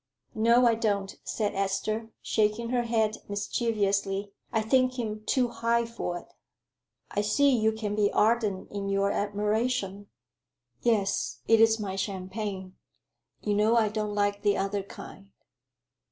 "No, I don't," said Esther, shaking her head mischievously. "I think him too high for it." "I see you can be ardent in your admiration." "Yes, it is my champagne; you know I don't like the other kind."